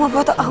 wah kita menang